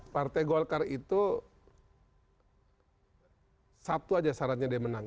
partai golkar itu satu aja syaratnya dia menang